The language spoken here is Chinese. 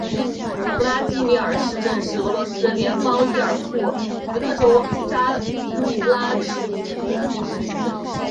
弗拉基米尔市镇是俄罗斯联邦伊尔库茨克州扎拉里区所属的一个市镇。